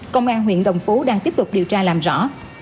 công an huyện đồng phú đang tiếp tục điều tra làm rõ